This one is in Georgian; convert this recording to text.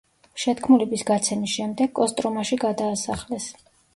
შეთქმულების გაცემის შემდეგ კოსტრომაში გადაასახლეს.